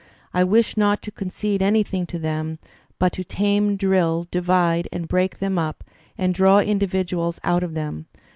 I wish not to concede anything to them, but to tame, drill, divide and break them up and draw individuals out of them.